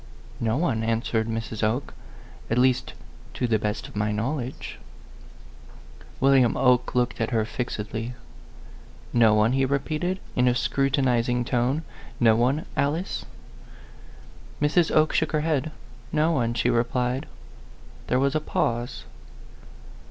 "No one," answered Mrs. Oke ;" at least to the best of my knowledge." 116 A PHANTOM LOVER. William Oke looked at her fixedly. "No one?" he repeated, in a scrutinizing tone ;" no one, Alice ?" Mrs. Oke shook her head. " No one," she replied. There was a pause.